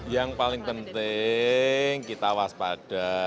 yang paling penting kita waspada